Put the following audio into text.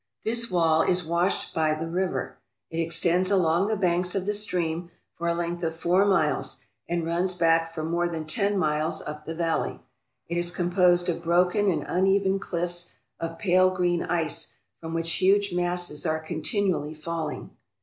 This wall is washed by the river. It extends along the banks of the stream for a length of four miles and runs back for more than ten miles up the valley. It is com posed of broken and uneven cliffs of pale green ice from which huge masses are continually falling.